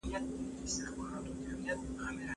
هغه په لوړ غږ ځواب ورکړ.